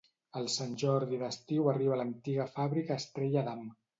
El Sant Jordi d'Estiu arriba a l'Antiga Fàbrica Estrella Damm.